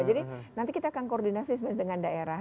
jadi nanti kita akan koordinasi dengan daerah